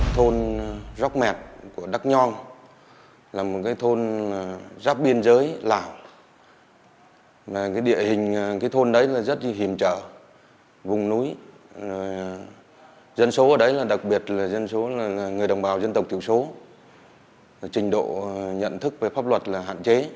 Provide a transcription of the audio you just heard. tuyên là người đồng bào dân tộc tiểu số trình độ nhận thức về pháp luật là hạn chế